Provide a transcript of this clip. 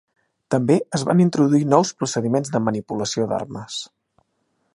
També es van introduir nous procediments de manipulació d'armes.